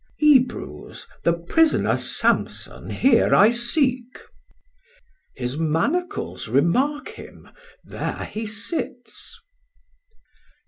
Off: Ebrews, the Pris'ner Samson here I seek. Chor: His manacles remark him, there he sits.